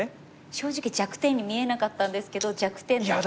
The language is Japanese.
正直弱点に見えなかったんですけど弱点だったんですね。